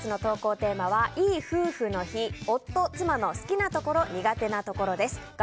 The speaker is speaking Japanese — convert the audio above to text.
今週のせきららボイスの投稿テーマはいい夫婦の日夫・妻の好きなところ・苦手なところです。